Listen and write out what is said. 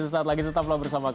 sesaat lagi tetaplah bersama kami